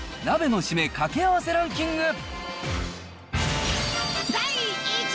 鍋のシメかけ合わせランキング。